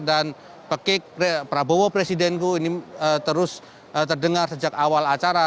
pekik prabowo presidenku ini terus terdengar sejak awal acara